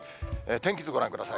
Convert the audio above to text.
天気図ご覧ください。